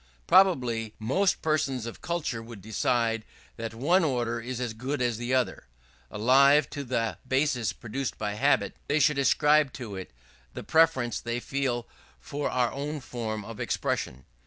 Probably, most persons of culture would decide that one order is as good as the other. Alive to the bias produced by habit, they would ascribe to that the preference they feel for our own form of expression.